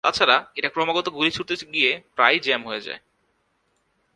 তাছাড়া, এটা ক্রমাগত গুলি ছুড়তে গিয়ে প্রায়ই জ্যাম হয়ে যায়!